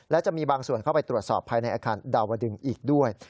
และจะมีบางส่วนเข้าไปตรวจสอบภายในอาคารดาวดึงอีกด้วย